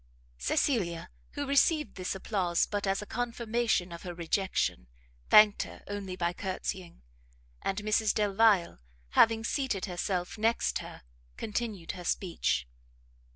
Cecilia, who received this applause but as a confirmation of her rejection, thanked her only by courtsying; and Mrs Delvile, having seated herself next her, continued her speech.